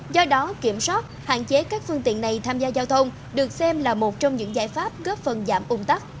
do đó kiểm soát hạn chế các phương tiện này tham gia giao thông được xem là một trong những giải pháp góp phần giảm ung tắc